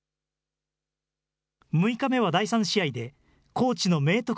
６日目は第３試合で高知の明徳